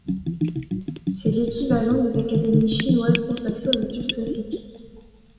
C'est l'équivalent des académies chinoises consacrées aux études classiques.